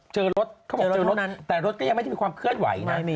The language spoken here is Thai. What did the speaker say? เจอรถเขาบอกเจอรถแต่รถก็ยังไม่ได้มีความเคลื่อนไหวนะ